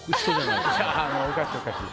いや、おかしいおかしい。